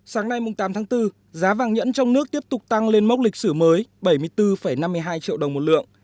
sáng nay tám tháng bốn giá vàng nhẫn trong nước tiếp tục tăng lên mốc lịch sử mới bảy mươi bốn năm mươi hai triệu đồng một lượng